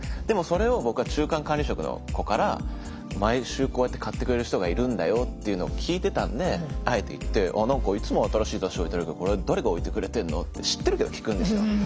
でもそれを僕は中間管理職の子から毎週こうやって買ってくれる人がいるんだよっていうのを聞いてたんであえて行って「なんかいつも新しい雑誌置いてあるけどこれ誰が置いてくれてんの？」って知ってるけど聞くんですよ。